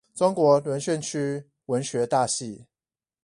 中國淪陷區文學大系